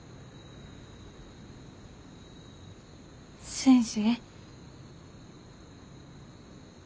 先生。